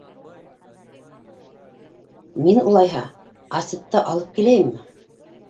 — Мин, улайһа, Асетте алып киләйемме?